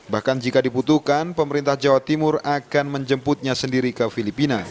bahkan jika dibutuhkan pemerintah jawa timur akan menjemputnya sendiri ke filipina